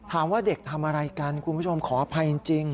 ถามว่าเด็กทำอะไรกันคุณผู้ชมขออภัยจริง